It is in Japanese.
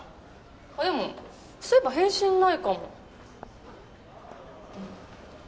あっでもそういえば返信ないかも。